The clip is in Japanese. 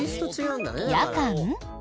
夜間？